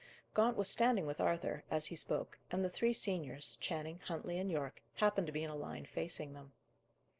Gaunt was standing with Arthur, as he spoke, and the three seniors, Channing, Huntley, and Yorke, happened to be in a line facing them.